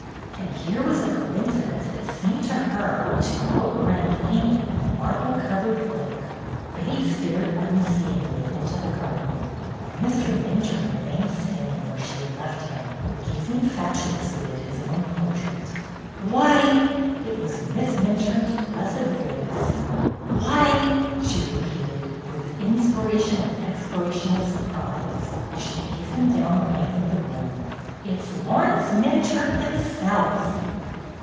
And here was a coincidence that seemed to her to outrank any in the marble covered book. Betty stared unsee ingly into the garden. Mr. Minturne remained standing where she had left him, gazing fatu ously at his own portrait. "Why!" It was Miss Minturne's blessed voice. " Why !" she repeated, with inspiration and expiration of surprise, as she hastened YOUNG MR. MINTURNE 123 down the length of the room, "it 's Laurence Minturne himself!